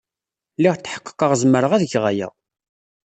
Lliɣ tḥeqqeɣ zemreɣ ad geɣ aya.